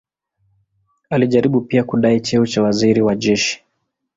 Alijaribu pia kudai cheo cha waziri wa jeshi.